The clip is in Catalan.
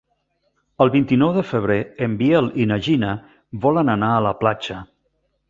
El vint-i-nou de febrer en Biel i na Gina volen anar a la platja.